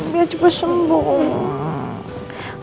biar cepat sembuh